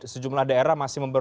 sejumlah daerah masih